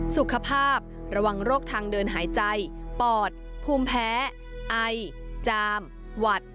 สุขภาพระวังโรคทางเดินหายใจปอดภูมิแพ้ไอจามหวัด